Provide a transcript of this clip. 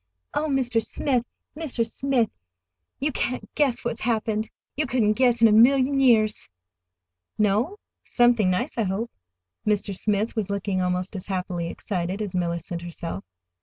"Oh, Mr. Smith, Mr. Smith, you can't guess what's happened! You couldn't guess in a million years!" "No? Something nice, I hope." Mr. Smith was looking almost as happily excited as Mellicent herself.